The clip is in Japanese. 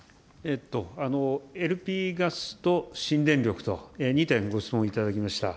ＬＰガスと新電力と、２点ご質問いただきました。